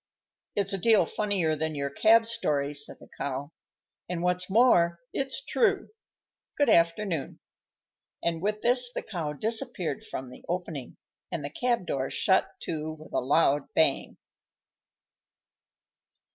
"It's a deal funnier than your cab story," said the Cow. "And, what's more, it's true! Good afternoon." And with this the Cow disappeared from the opening, and the cab door shut to with a loud bang.